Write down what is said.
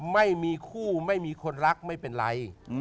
ไม่มีคู่ไม่มีคนรักไม่เป็นไร